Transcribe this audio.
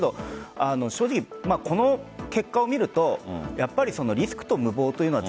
正直、この結果を見るとリスクと無謀というのは